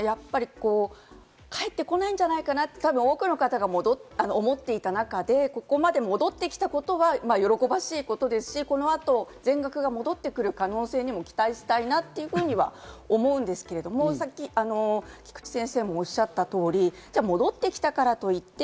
やはり返ってこないんじゃないかなと多くの方が思っていた中で、ここまで戻ってきたことは喜ばしいことですし、このあと全額が戻ってくる可能性にも期待したいなと思うんですけれども、菊地先生もおっしゃった通り、戻ってきたからといって